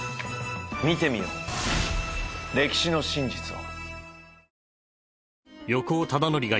見てみよう歴史の真実を。